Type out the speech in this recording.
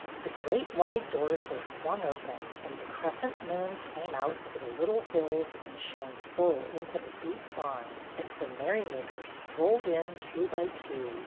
The great wide doors were flung open, and the crescent moon came out over the little hills and shone full into the deep barn, as the merrymakers strolled in two by two.